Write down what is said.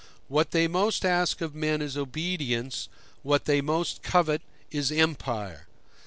What they most ask of men is obedience what they most covet is empire.